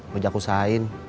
bisa aku usahain